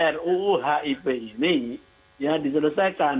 ruu hip ini diselesaikan